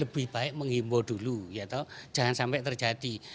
lebih baik menghimbau dulu jangan sampai terjadi